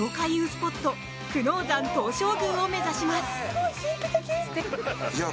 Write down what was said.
スポット久能山東照宮を目指します。